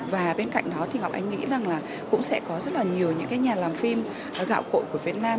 và bên cạnh đó thì ngọc anh nghĩ là cũng sẽ có rất nhiều nhà làm phim gạo cội của việt nam